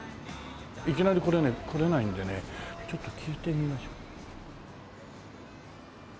いきなりこれね来られないんでねちょっと聞いてみましょう。